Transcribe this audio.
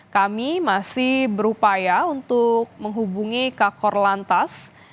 kami masih berupaya untuk menghubungi kakor lantas